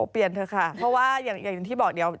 เปลี่ยนเถอะค่ะเพราะว่าอย่างที่บอกเดี๋ยว